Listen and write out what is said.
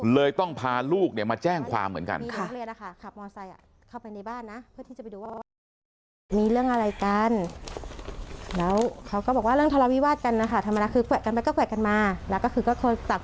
เลยต้องพาลูกเนี่ยมาแจ้งความเหมือนกัน